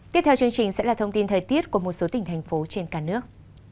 tiếp theo chương trình sẽ là thông tin thời tiết của một số tỉnh thành phố trên cả nước